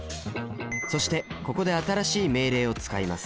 そしてここで新しい命令を使います。